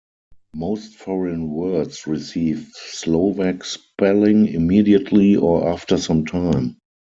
Most foreign words receive Slovak spelling immediately or after some time.